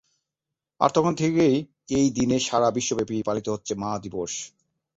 আর তখন থেকেই এই দিনে সারা বিশ্বব্যাপী পালিত হচ্ছে মা দিবস।